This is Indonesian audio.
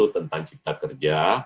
tentang cipta kerja